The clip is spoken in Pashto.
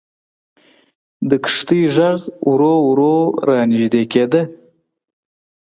د کښتۍ ږغ ورو ورو را نژدې کېده.